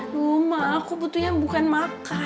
aduh ma aku butuhnya bukan makan